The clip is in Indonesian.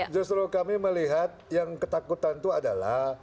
justru kami melihat yang ketakutan itu adalah